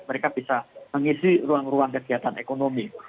mereka bisa mengisi ruang ruang kegiatan ekonomi